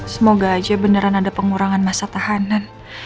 semoga aja beneran ada pengurangan masa tahanan